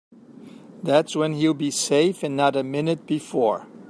That's when he'll be safe and not a minute before.